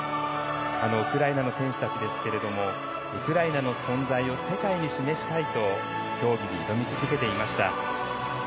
ウクライナの選手たちですけどウクライナの存在を世界に示したいと競技に挑み続けていました。